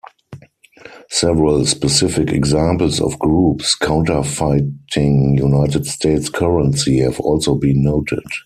Several specific examples of groups counterfeiting United States currency have also been noted.